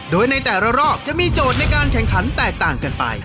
โดยในแต่ละรอบจะมีโจทย์ในการแข่งขันแตกต่างกันไป